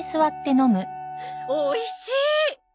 おいしい！